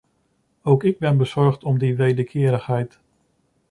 Ook ik ben bezorgd om die wederkerigheid.